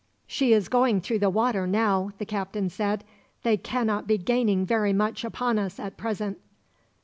"She is going through the water now," the captain said. "They cannot be gaining very much upon us, at present.